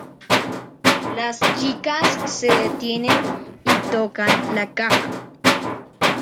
Las chicas se detienen y tocan la caja.